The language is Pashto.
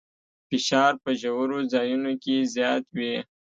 فشار په ژورو ځایونو کې زیات وي.